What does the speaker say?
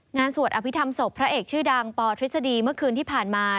สวดอภิษฐรรมศพพระเอกชื่อดังปทฤษฎีเมื่อคืนที่ผ่านมา